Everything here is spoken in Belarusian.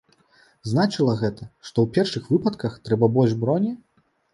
Значыла гэта, што ў першых выпадках трэба больш броні?